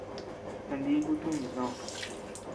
Kaniku tumi tòò.